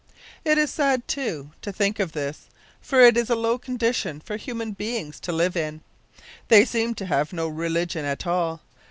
"It is sad, too, to think of this; for it is a low condition for human beings to live in. They seem to have no religion at all.